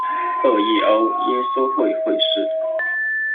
郃轶欧，耶稣会会士。